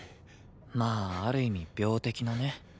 まあある意味病的なね。